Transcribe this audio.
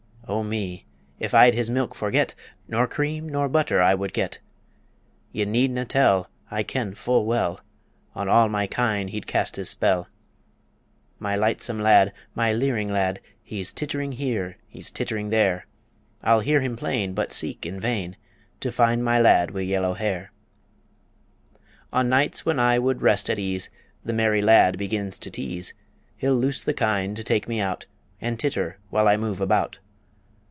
O me! if I'd his milk forget, Nor cream, nor butter I would get; Ye needna' tell I ken full well On all my kine he'd cast his spell. My lightsome lad, my leering lad, He's tittering here; he's tittering there I'll hear him plain, but seek in vain To find my lad wi' yellow hair. On nights when I would rest at ease, The merry lad begins to tease; He'll loose the kine to take me out, And titter while I move about.